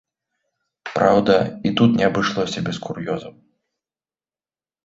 Праўда, і тут не абышлося без кур'ёзаў.